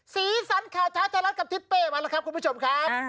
สีสันข่าวเช้าไทยรัฐกับทิศเป้มาแล้วครับคุณผู้ชมครับ